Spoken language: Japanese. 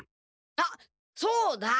あっそうだ！